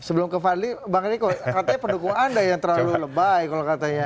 sebelum ke fadli bang eriko katanya pendukung anda yang terlalu lebay kalau katanya